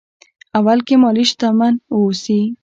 اول کې مالي شتمن واوسي.